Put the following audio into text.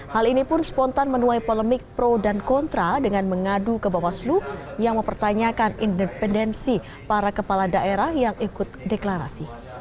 hal ini pun spontan menuai polemik pro dan kontra dengan mengadu ke bawaslu yang mempertanyakan independensi para kepala daerah yang ikut deklarasi